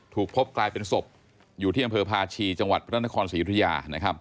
ถูกพบกลายเป็นศพอยู่ที่อำเภอพาชีจังหวัดพระนครศรียุธยา